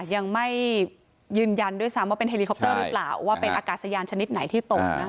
ยังไม่ยืนยันด้วยซ้ำว่าเป็นเฮลิคอปเตอร์หรือเปล่าว่าเป็นอากาศยานชนิดไหนที่ตก